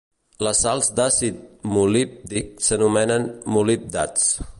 Les sals d'àcid molíbdic s'anomenen molibdats.